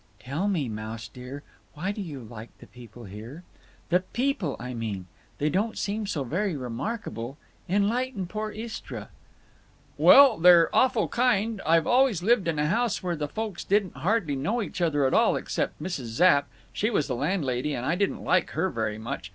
"Tell me, Mouse dear, why do you like the people here? The peepul, I mean. They don't seem so very remarkable. Enlighten poor Istra." "Well, they're awful kind. I've always lived in a house where the folks didn't hardly know each other at all, except Mrs. Zapp—she was the landlady—and I didn't like her very much.